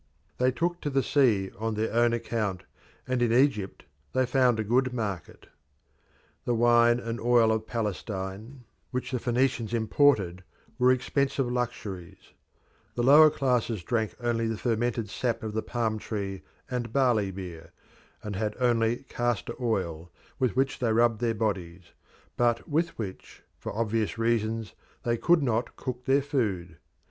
They took to the sea on their own account, and in Egypt they found a good market. The wine and oil of Palestine, which the Phoenicians imported, were expensive luxuries; the lower classes drank only the fermented sap of the palm tree and barley beer, and had only castor oil, with which they rubbed their bodies, but with which, for obvious reasons, they could not cook their food.